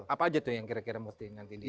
apa aja tuh yang kira kira mesti ngantinin